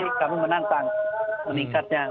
kami menantang meningkatnya